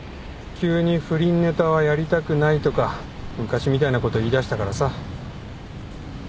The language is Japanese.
急に「不倫ネタはやりたくない」とか昔みたいなこと言いだしたからさ。